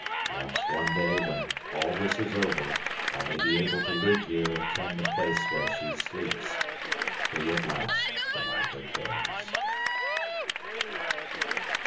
Perhaps one day when all this is over I may be able to live here and tend the place where she sleeps, free at last from all her cares.